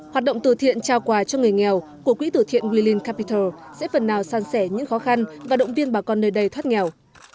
hoạt động từ thiện trao quà cho người nghèo của quỹ tử thiện willing capital sẽ phần nào san sẻ những khó khăn và động viên bà con nơi đây thoát nghèo